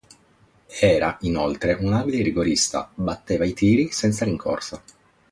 Era inoltre un abile rigorista: batteva i tiri senza rincorsa.